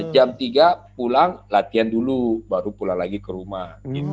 jam tiga pulang latihan dulu baru pulang lagi ke rumah